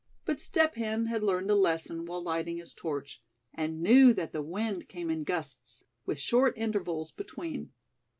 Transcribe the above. But Step Hen had learned a lesson while lighting his torch, and knew that the wind came in gusts, with short intervals between.